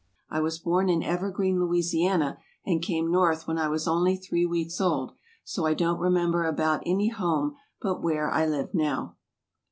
I was born in Evergreen, Louisiana, and came North when I was only three weeks old, so I don't remember about any home but where I live now.